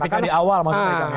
ketika di awal masuknya kan ya